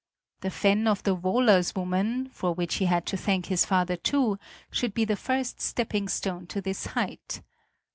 The fen of the Wohlers woman, for which he had to thank his father too, should be the first stepping stone to this height.